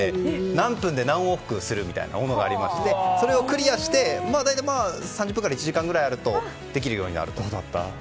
何分で何往復するみたいなものがありましてそれをクリアして大体、３０分から１時間あるとできるようになると。